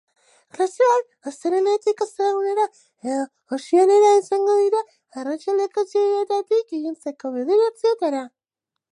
Klaseak astelehenetik ostegunera edo ostiralera izango dira arratsaldeko seietatik iluntzeko bederatzietara.